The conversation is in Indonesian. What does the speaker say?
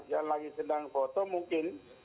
yang lagi sedang foto mungkin